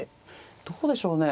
どうでしょうね。